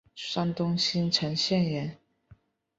山东青城县人。